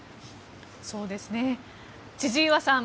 千々岩さん